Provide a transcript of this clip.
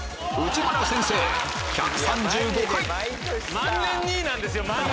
万年２位なんですよ。